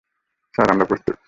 Sir, আমরা প্রস্তুত।